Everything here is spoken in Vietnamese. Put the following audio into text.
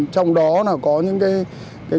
trong đó có những cái